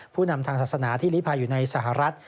ผู้นำทางศาสนาที่ลิภัยอยู่ในสหรัฐ